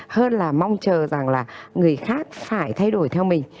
hơn là mong chờ rằng là người khác phải thay đổi theo mình